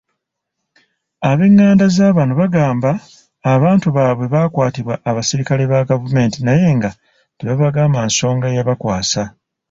Abenganda zabano bagamba abantu baabwe baakwatibwa abasirikale ba gavumenti naye nga tebaabagamba nsonga eyabakwasa.